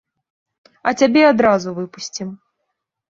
А цябе адразу выпусцім.